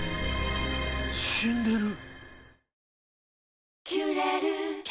死んでる。